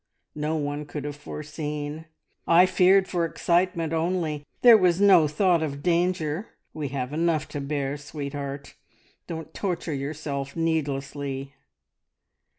"No one could have foreseen. I feared for excitement only; there was no thought of danger. We have enough to bear, sweetheart. Don't torture yourself needlessly."